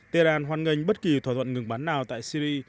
tehran hoan nghênh bất kỳ thỏa thuận ngừng bắn nào tại syri